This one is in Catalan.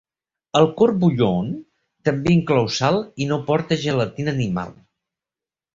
El "court bouillon" també inclou sal i no porta gelatina animal.